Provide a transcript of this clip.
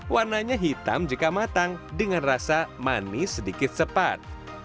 warnanya hitam jika matang dengan rasa manis sedikit sepat